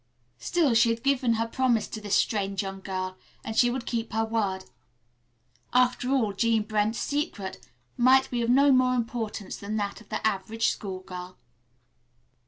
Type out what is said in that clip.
Still, she had given her promise to this strange young girl, and she would keep her word. After all Jean Brent's secret might be of no more importance than that of the average school girl.